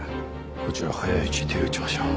こちらは早いうちに手を打ちましょう